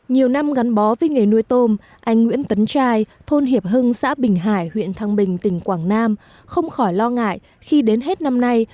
nhiều năm gắn bó với nghề nuôi tôm anh nguyễn tấn trai thôn hiệp hưng xã bình hải huyện thăng bình tỉnh quảng nam không khỏi lo ngại khi đến hết năm nay